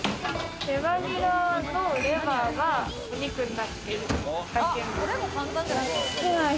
レバニラのお肉が豚肉になってる。